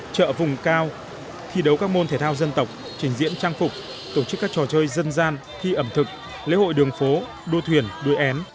chợ vùng cao thi đấu các môn thể thao dân tộc trình diễn trang phục tổ chức các trò chơi dân gian thi ẩm thực lễ hội đường phố đua thuyền đuôi én